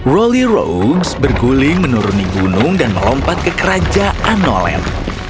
rolly roung berguling menuruni gunung dan melompat ke kerajaan nolen